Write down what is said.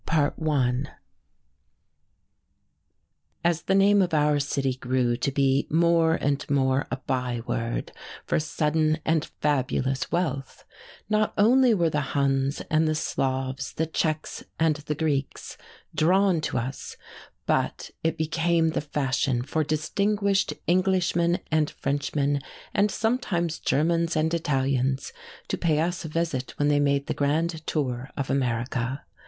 BOOK 3. XVIII. As the name of our city grew to be more and more a byword for sudden and fabulous wealth, not only were the Huns and the Slavs, the Czechs and the Greeks drawn to us, but it became the fashion for distinguished Englishmen and Frenchmen and sometimes Germans and Italians to pay us a visit when they made the grand tour of America.